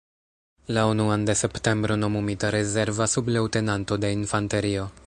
La unuan de septembro nomumita rezerva subleŭtenanto de infanterio.